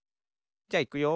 じゃいくよ。